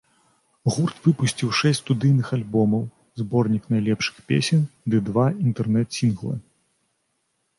Гурт выпусціў шэсць студыйных альбомаў, зборнік найлепшых песень ды два інтэрнэт-сінгла.